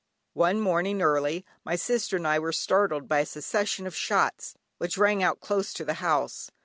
One morning early, my sister and I were startled by a succession of shots which rang out close to the house.